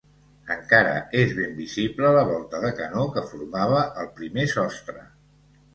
Encara és ben visible la volta de canó que formava el primer sostre.